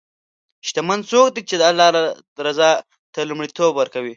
شتمن څوک دی چې د الله رضا ته لومړیتوب ورکوي.